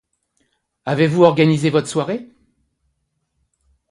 Avez-vous organisé votre soirée ?